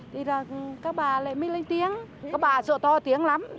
thì là các bà lại mới lên tiếng các bà sợ to tiếng lắm